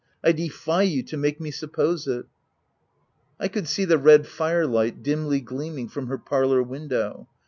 I defy you to make me suppose it !" I could see the red fire light dimly gleaming from her parlour window.